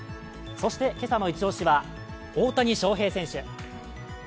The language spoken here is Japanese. そして今朝のイチ押しは大谷翔平選手。